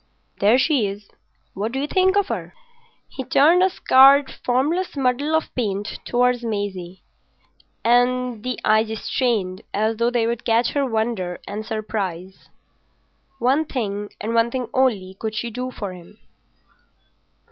There she is. What do you think of her?" He turned a scarred formless muddle of paint towards Maisie, and the eyes strained as though they would catch her wonder and surprise. One thing and one thing only could she do for him.